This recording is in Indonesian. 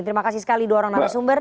terima kasih sekali dua orang narasumber